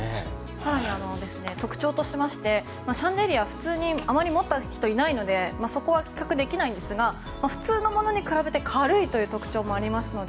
更に特徴としましてシャンデリア普通にあまり持った人いないのでそこは比較できないんですが普通のものに比べて軽いという特徴もありますので。